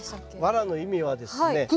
ワラの意味はですね。